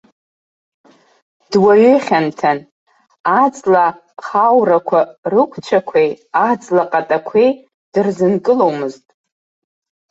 Дуаҩы хьанҭан, аҵла хаурақәа рықәцәақәеи, аҵла ҟатақәеи дырзынкыломызт.